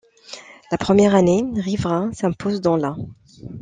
La première année, Rivera s'impose dans la '.